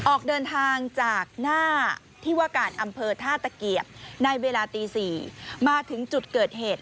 ออกเดินทางจากหน้าที่ว่าการอำเภอท่าตะเกียบในเวลาตี๔มาถึงจุดเกิดเหตุ